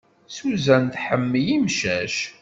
Susan, tḥemmel imcac.